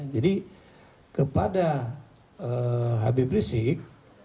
jadi kepada habib risik